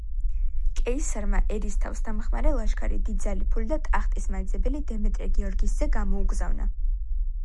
კეისარმა ერისთავს დამხმარე ლაშქარი, დიდძალი ფული და ტახტის მაძიებელი დემეტრე გიორგის ძე გამოუგზავნა.